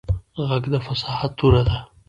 غږ د فصاحت توره ده